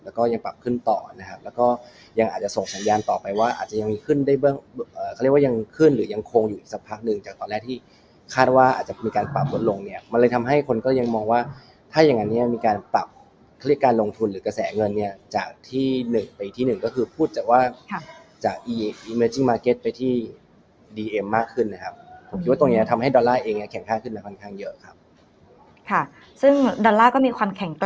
แล้วก็ยังปรับขึ้นต่อนะครับแล้วก็ยังอาจจะส่งสัญญาณต่อไปว่าอาจจะยังขึ้นได้เขาเรียกว่ายังขึ้นหรือยังคงอยู่อีกสักพักหนึ่งจากตอนแรกที่คาดว่าอาจจะมีการปรับลดลงเนี้ยมันเลยทำให้คนก็ยังมองว่าถ้าอย่างงั้นเนี้ยมีการปรับคลิกการลงทุนหรือกระแสเงินเนี้ยจากที่หนึ่งไปที่หนึ่งก็ค